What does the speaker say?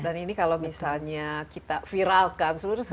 dan ini kalau misalnya kita viralkan seluruh